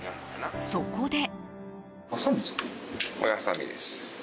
そこで。